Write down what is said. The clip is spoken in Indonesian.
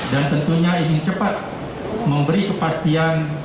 dan tentunya ingin cepat memberi kepastian